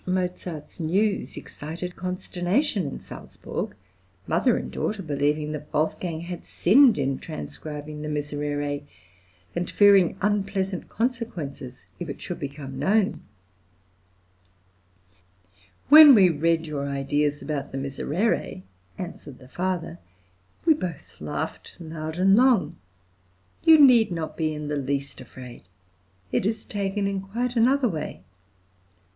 Mozart's news excited consternation in Salzburg, mother and daughter believing that Wolfgang had sinned in transcribing the Miserere, and fearing unpleasant consequences if it should become known. "When we read your ideas about the {MOZART'S RECEPTION IN ROME.} (121) Miserere," answered the father, "we both laughed loud and long. You need not be in the least afraid. It is taken in quite another way.